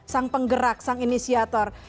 sang penggerak sang inisiator